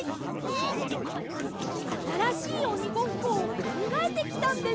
あたらしいおにごっこをかんがえてきたんです。